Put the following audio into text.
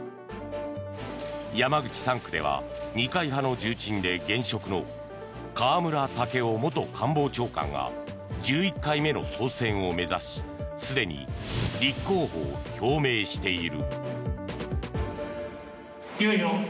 山口３区では二階派の重鎮で現職の河村建夫元官房長官が１１回目の当選を目指しすでに立候補を表明している。